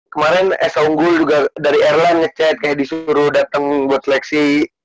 kemarin esa unggul juga dari airline ngecek kayak disuruh datang buat seleksi